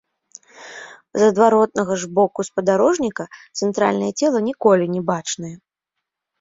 З адваротнага ж боку спадарожніка цэнтральнае цела ніколі не бачнае.